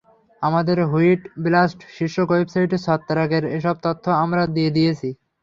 আমাদের wheat blast শীর্ষক ওয়েবসাইটে ছত্রাকের এসব তথ্য আমরা দিয়ে দিয়েছি।